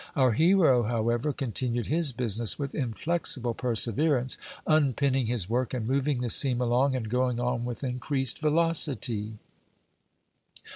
Our hero, however, continued his business with inflexible perseverance, unpinning his work and moving the seam along, and going on with increased velocity.